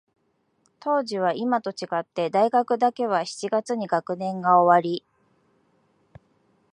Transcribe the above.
当時は、いまと違って、大学だけは七月に学年が終わり、